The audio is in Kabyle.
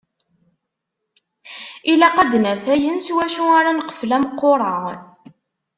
Ilaq ad d-naf ayen s wacu ara neqfel ameqqur-a.